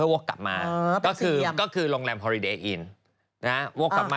เออเออตรงนั้นหมดเลยเนอะ